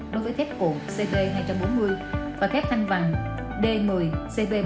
đối với thép cổ cd hai trăm bốn mươi và thép thanh vàng d một mươi cp ba trăm linh